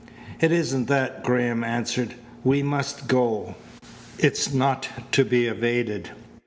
"It isn't that," Graham answered. "We must go. It's not to be evaded."